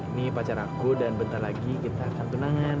ini pacar aku dan bentar lagi kita akan tunangan